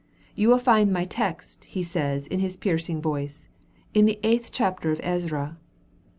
'You will find my text,' he says, in his piercing voice, 'in the eighth chapter of Ezra.'"